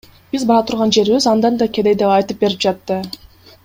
Биз бара турган жерибиз андан да кедей деп айтып берип жатты.